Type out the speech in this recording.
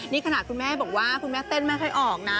นี่ขนาดคุณแม่บอกว่าคุณแม่เต้นไม่ค่อยออกนะ